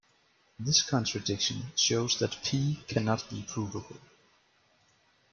This contradiction shows that "p" cannot be provable.